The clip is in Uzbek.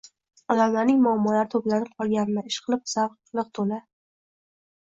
Odamlarning muammolari to`planib qolganmi, ishqilib zal liq to`la